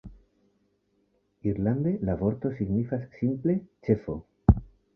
Irlande la vorto signifas simple "ĉefo".